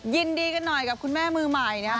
ยินดีกันหน่อยกับคุณแม่มือใหม่นะครับ